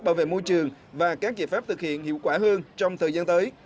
bảo vệ môi trường và các giải pháp thực hiện hiệu quả hơn trong thời gian tới